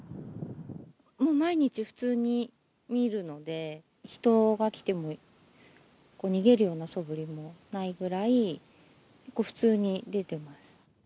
うん、毎日、普通に見るので、人が来ても、逃げるようなそぶりもないぐらい、普通に出てます。